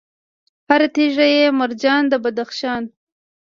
هر تیږه یې مرجان د بدخشان